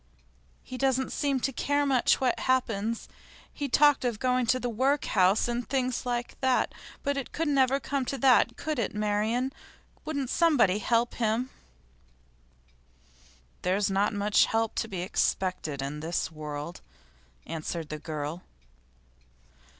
'He doesn't seem to care much what happens. He talked of going to the workhouse, and things like that. But it couldn't ever come to that, could it, Marian? Wouldn't somebody help him?' 'There's not much help to be expected in this world,' answered the girl.